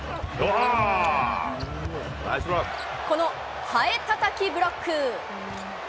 このハエたたきブロック。